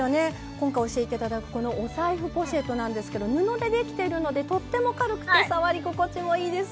今回教えて頂くこのお財布ポシェットなんですけど布で出来てるのでとっても軽くて触り心地もいいです。